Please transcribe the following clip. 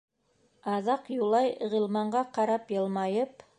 Аҙаҡ Юлай, Ғилманға ҡарап, йылмайып: